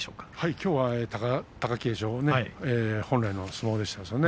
きょうは貴景勝本来の相撲でしたね。